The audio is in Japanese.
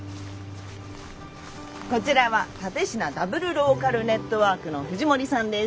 こちらは蓼科ダブルローカルネットワークの藤森さんです。